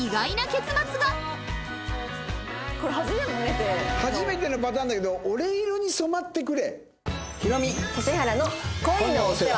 そして初めてのパターンだけど「俺色に染まってくれ」？